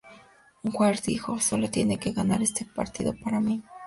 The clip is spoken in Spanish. Ware dijo: ""Sólo tienen que ganar este partido para mí.